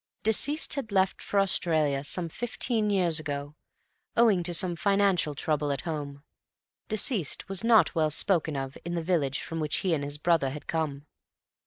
Deceased had left for Australia some fifteen years ago, owing to some financial trouble at home. Deceased was not well spoken of in the village from which he and his brother had come.